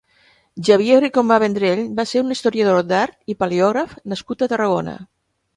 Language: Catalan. Xavier Ricomà Vendrell va ser un historiador de l'art i paleògraf nascut a Tarragona.